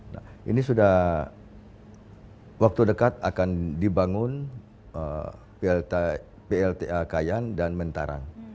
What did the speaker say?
nah ini sudah waktu dekat akan dibangun blta kayan dan mentarang